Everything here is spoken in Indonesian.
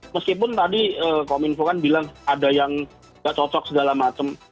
meskipun tadi kominfo kan bilang ada yang nggak cocok segala macam